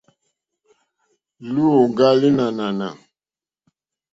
Luùŋga li nò ànànà.